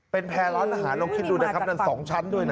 เป็นแพร่ร้านอาหารลองคิดดูนะครับนั่น๒ชั้นด้วยนะ